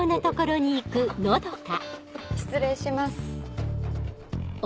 失礼します。